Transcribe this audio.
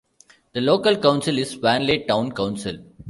The local council is Swanley Town Council.